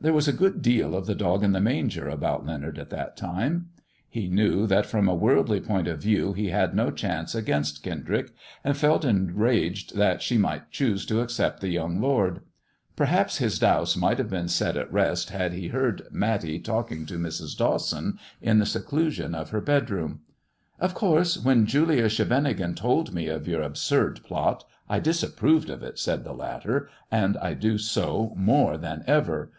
There was a good deal of the dog in the manger about Leonard at that time. He knew that from a worldly point of view he had no chance against Kendrick, and felt enraged that she might choose to accept the young Lord. Perhaps his doubts might have been set at rest had he heard Matty talking to Mrs. Dawson in the seclusion of her bedroom. "Of course, when Julia Scheveningen told me of your absurd plot I disapproved of it," said the latter :" and I do so more than ever.